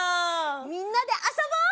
みんなであそぼう！